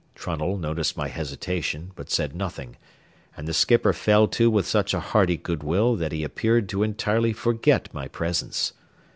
Trunnell noticed my hesitation, but said nothing, and the skipper fell to with such a hearty good will that he appeared to entirely forget my presence.